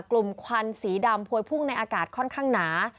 ควันสีดำพวยพุ่งในอากาศค่อนข้างหนา